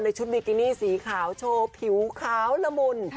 ชุดบิกินี่สีขาวโชว์ผิวขาวละมุน